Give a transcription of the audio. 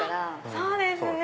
そうですね。